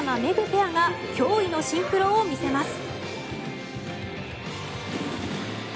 ペアが驚異のシンクロを見せます。